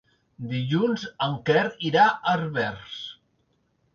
Dilluns en Quer irà a Herbers.